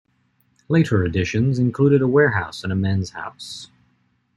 Later additions included a warehouse and a men's house.